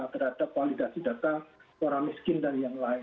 terhadap kualidasi data orang miskin dan yang lain